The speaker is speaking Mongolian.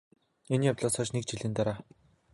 энэ явдлаас хойш НЭГ жилийн дараа